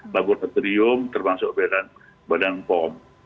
laboratorium termasuk badan pom